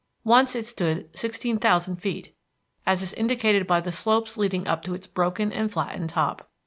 Once it stood 16,000 feet, as is indicated by the slopes leading up to its broken and flattened top.